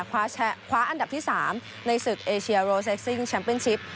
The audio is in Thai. คว้าอันดับที่๓ในศึกเอเชียโรเซ็กซิ่งแชมป์เป็นชิป